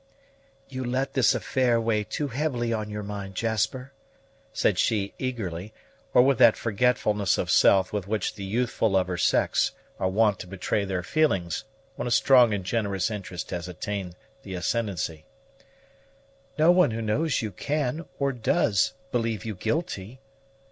"You let this affair weigh too heavily on your mind, Jasper," said she eagerly, or with that forgetfulness of self with which the youthful of her sex are wont to betray their feelings when a strong and generous interest has attained the ascendency; "no one who knows you can, or does, believe you guilty.